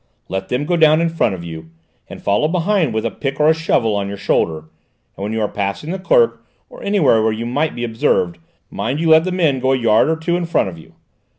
Let them go down in front of you, and follow behind with a pick or a shovel on your shoulder, and when you are passing the clerk, or anywhere where you might be observed, mind you let the men go a yard or two in front of you.